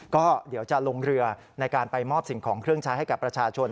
ก็เดี๋ยวจะลงเรือในการไปมอบสิ่งของเครื่องใช้ให้กับประชาชน